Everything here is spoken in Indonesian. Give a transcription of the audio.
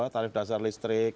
tarif dasar listrik